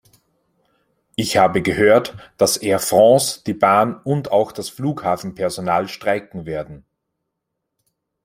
Ich habe gehört, dass Air France, die Bahn und auch das Flughafenpersonal streiken werden.